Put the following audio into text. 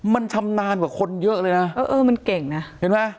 มันชำนาญกว่าคนเยอะเลยนะเออมันเก่งนะเห็นไหม